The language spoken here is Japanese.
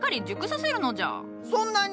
そんなに！